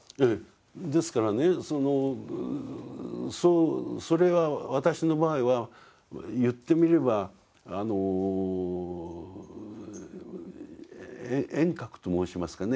ですからねそれは私の場合は言ってみれば縁覚と申しますかね。